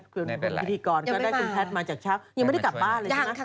คุณพิธีกรก็ได้คุณแพทย์มาจากชั้นยังไม่ได้กลับบ้านเลยใช่ไหมยังค่ะ